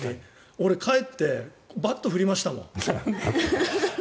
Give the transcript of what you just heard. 俺、帰ってバット振りましたもん。